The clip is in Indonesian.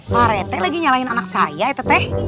pak rt lagi nyalahin anak saya ya teteh